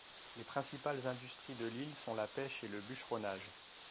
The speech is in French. Les principales industries de l'île sont la pêche et le bûcheronnage.